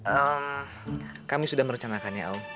eh kami sudah merencanakannya om